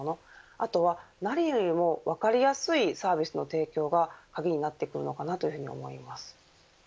あとは何よりも分かりやすいサービスの提供が鍵になってくると思います。